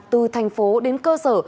từ thành phố đến cơ sở